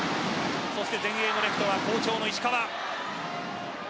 前衛のレフトは好調の石川。